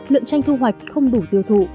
lượng chanh thu hoạch không đủ tiêu thụ